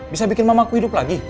bisa bikin mama aku hidup lagi